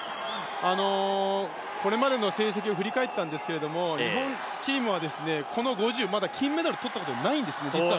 これまでの成績を振り返ったんですけど日本チームはこの５０、まだ金メダル取ったことがないんです。